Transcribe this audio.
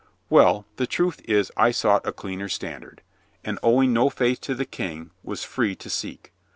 "Well, the truth is I sought a cleaner standard, and owing no faith to the King, was free to seek.